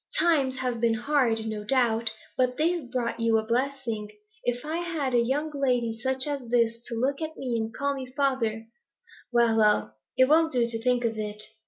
Times have been hard, no doubt, but they've brought you a blessing. If I had a young lady such as this to look at me and call me father well, well, it won't do to think of it.'